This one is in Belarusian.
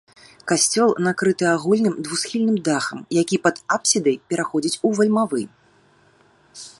Касцёл накрыты агульным двухсхільным дахам, які над апсідай пераходзіць у вальмавы.